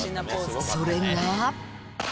それが。